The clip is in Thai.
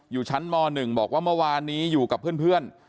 อยู่ชั้นม๑บอกว่าเมื่อวานนี้อยู่กับเพื่อน